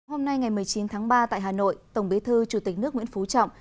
hôm nay ngày một mươi chín tháng ba tại hà nội tổng bí thư chủ tịch nước nguyễn phú trọng